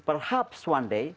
perhaps one day